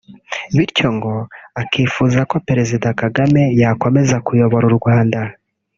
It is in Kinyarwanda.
bityo ngo akifuza ko Perezida Kagame yazakomeza kuyobora u Rwanda